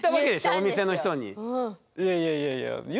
お店の人に。